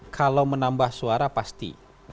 kalau menambah suara pasti